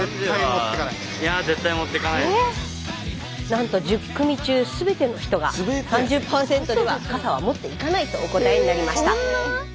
なんと１０組中全ての人が３０％では傘は持っていかないとお答えになりました。